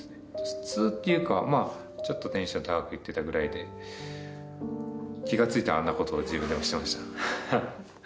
普通っていうかちょっとテンション高く行ってたぐらいで気が付いたらあんなことを自分でもしてました。